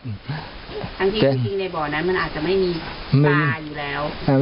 ทั้งที่จริงในบ่อนั้นมันอาจจะไม่มีปลาอยู่แล้ว